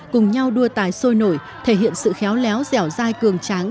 cùng nhau đua tài sôi nổi thể hiện sự khéo léo dẻo dai cường tráng